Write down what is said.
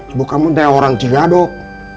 ibu kamu teh orang ciga dok